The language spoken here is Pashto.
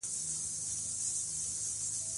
افغانستان د پکتیکا د ترویج لپاره پروګرامونه لري.